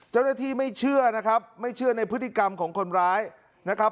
เจ้าหน้าที่ไม่เชื่อนะครับไม่เชื่อในพฤติกรรมของคนร้ายนะครับ